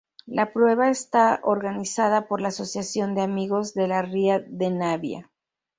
La prueba está organizada por la Asociación de Amigos de la Ría de Navia.